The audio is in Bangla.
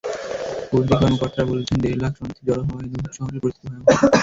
কুর্দি কর্মকর্তারা বলছেন, দেড় লাখ শরণার্থী জড়ো হওয়ায় দহুক শহরের পরিস্থিতি ভয়াবহ।